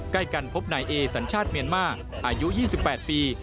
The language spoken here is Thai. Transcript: ใกล้กันพบนายเอสัญชาติเมียนมาอายุ๒๘ปี